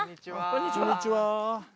こんにちは。